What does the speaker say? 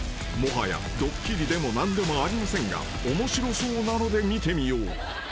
［もはやドッキリでも何でもありませんが面白そうなので見てみよう］